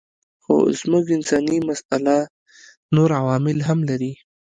خو زموږ انساني مساله نور عوامل هم لري.